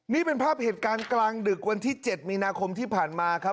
นี่เป็นภาพเหตุการณ์กลางดึก๗มีนาคมที่ผ่านมา